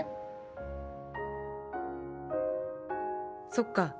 そっか。